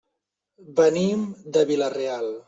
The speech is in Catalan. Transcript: Venim de Vila-real.